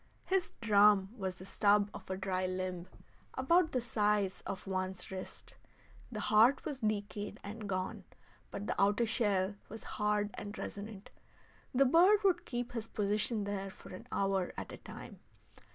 His drum was the stub of a dry limb about the size of one's wrist. The heart was decayed and gone, but the outer shell was hard and resonant. The bird would keep his position there for an hour at a time.